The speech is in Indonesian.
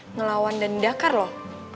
ngelawan dan dakar loh